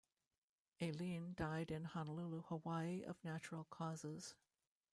Aileen died in Honolulu, Hawaii of natural causes.